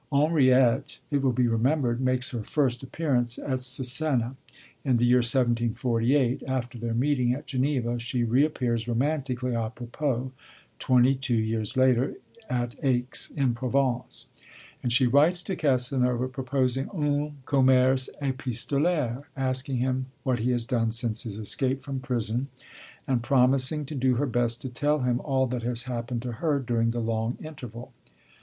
Henriette, it will be remembered, makes her first appearance at Cesena, in the year 1748; after their meeting at Geneva, she reappears, romantically à propos, twenty two years later, at Aix in Provence; and she writes to Casanova proposing un commerce épistolaire, asking him what he has done since his escape from prison, and promising to do her best to tell him all that has happened to her during the long interval.